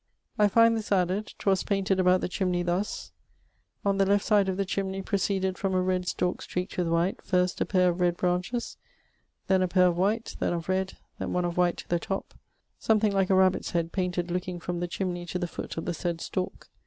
I find this added: 'Twas painted about the chimney thus: on the left side of the chimney proceeded from a red stalk streaked with white, first, a paire of red branches, then a paire of white, then of red, then one of white to the top; something like a rabbit's head painted looking from the chimney to the foot of the sayd stalk.